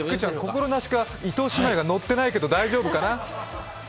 心なしか、伊藤姉妹がノッてないけど、大丈夫かな？